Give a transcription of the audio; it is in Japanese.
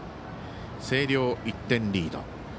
星稜、１点リード。